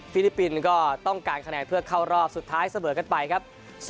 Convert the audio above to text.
ฟิลิปปินต์ก็ต้องการแขนงเพื่อเข้ารอบสุดท้ายเสบิดกันไปครับ